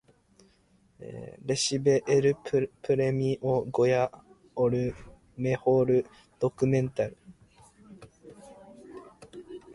Recibe el Premio Goya al mejor documental.